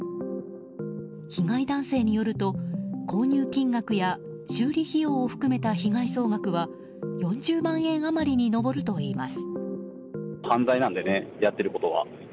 被害男性によると購入金額や修理費用を含めた被害総額は４０万円余りに上るといいます。